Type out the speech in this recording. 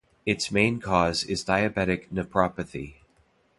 Its main cause is diabetic nephropathy.